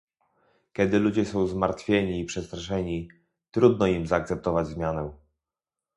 Kiedy ludzie są zmartwieni i przestraszeni, trudno im zaakceptować zmianę